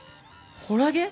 ホラゲー？